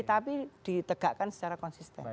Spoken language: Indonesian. tapi ditegakkan secara konsisten